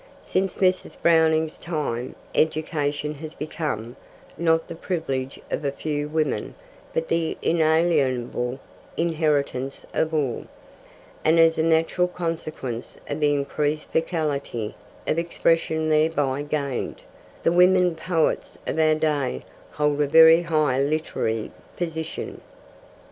Since Mrs. Browning's time, education has become, not the privilege of a few women, but the inalienable inheritance of all; and, as a natural consequence of the increased faculty of expression thereby gained, the women poets of our day hold a very high literary position.